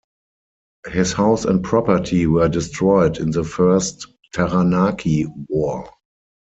His house and property were destroyed in the First Taranaki War.